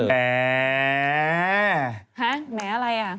แหมอะไรอ่ะ